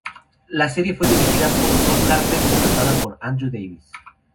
La serie fue dirigida por Tom Harper y adaptada por Andrew Davies.